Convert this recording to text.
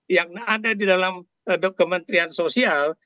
yang ada di dalam kementerian sosial